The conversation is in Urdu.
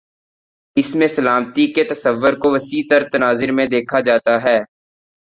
اس میں سلامتی کے تصور کو وسیع تر تناظر میں دیکھا جاتا ہے۔